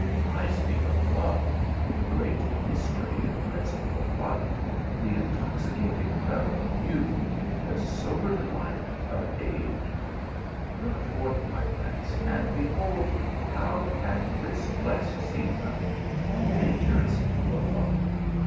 I speak of love, the great mystery and principle of life ; the in toxicating revel of youth ; the sober delight of age Look forth, my prince, and behold how at this blest season all nature is full of love.